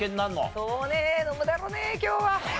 そうね飲むだろうね今日は。